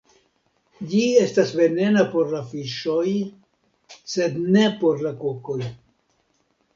Ĝi estas venena por la fiŝoj, sed ne por la kokoj.